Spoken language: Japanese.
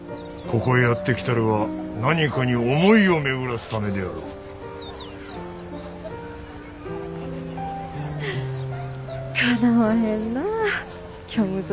ここへやって来るは何かに思いを巡らすためであろう。